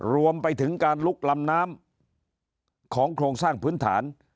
รวมไปถึงการลุกลำน้ำของโครงสร้างพื้นฐาน